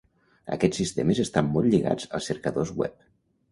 Aquests sistemes estan molt lligats als cercadors web.